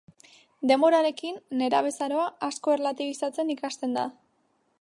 Denborarekin, nerabezaroa asko erlatibizatzen ikasten da.